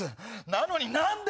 なのに何で。